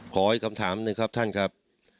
ขออีกคำถามหนึ่งครับท่านครับ